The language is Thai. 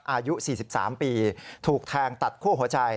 อายุ๔๓ปีถูกแทงตัดคั่วหัวใจ